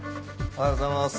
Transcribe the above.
おはようございます。